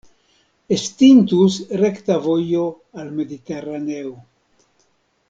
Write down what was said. Estintus rekta vojo al Mediteraneo.